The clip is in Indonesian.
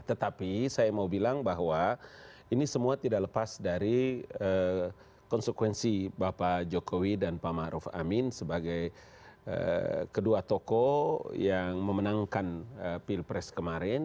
tetapi saya mau bilang bahwa ini semua tidak lepas dari konsekuensi bapak jokowi dan pak ⁇ maruf ⁇ amin sebagai kedua tokoh yang memenangkan pilpres kemarin